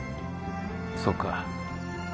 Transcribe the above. そうか。